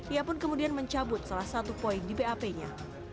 ia pun kemudian mencabut salah satu poin di bap nya